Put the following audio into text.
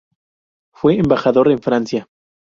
Fue embajador en Francia.